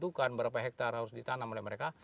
tentukan berapa hektar harus ditanam oleh mereka